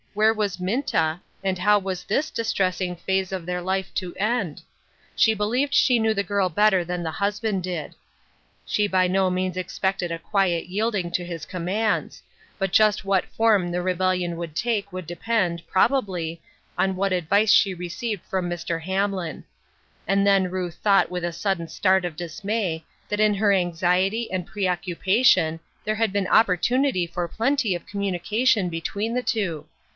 Where was Minta, and how was this dis tressing phase of their life to end ? She believed she knew the girl better than her husband did ; STORMY WEATHER. 21 5 she by no means expected a quiet yielding to his commands ; but just what form the rebellion would take would depend, probably, on what advice she re ceived from Mr. Hamlin. And then Ruth thought with a sudden start of dismay, that in her anxiety and pre occupation there had been opportunity for plenty of communication between the two.